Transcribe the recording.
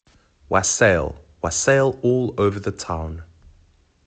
Wassail, wassail all over the town.